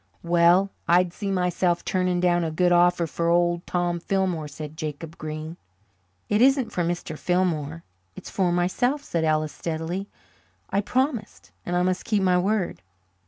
"Well, I'd see myself turning down a good offer for Old Tom Fillmore," said Jacob Green. "It isn't for Mr. Fillmore it's for myself," said Ellis steadily. "I promised and I must keep my word."